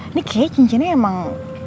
ini kayaknya cincinnya emang